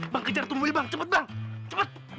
bang kejar itu mobil bang cepet bang cepet